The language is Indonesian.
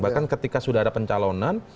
bahkan ketika sudah ada pencalonan